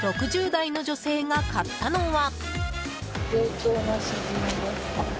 ６０代の女性が買ったのは。